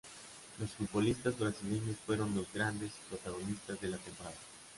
Los futbolistas brasileños fueron los grandes protagonistas de la temporada.